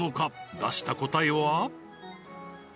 出した答えは？